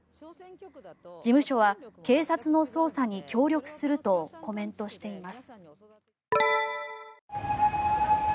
事務所は警察の捜査に協力するとコメントしています。